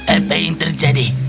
apa yang terjadi